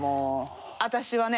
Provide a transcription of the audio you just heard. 私はね